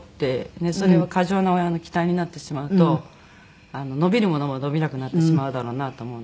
それは過剰な親の期待になってしまうと伸びるものも伸びなくなってしまうだろうなと思うので。